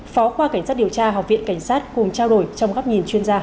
phó khoa cảnh sát điều tra học viện cảnh sát cùng trao đổi trong góc nhìn chuyên gia